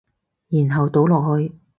然後倒落去